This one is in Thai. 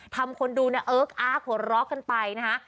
ทำคนดูเนี่ยเอิ๊กอาร์กหัวเราะกันไปนะฮะ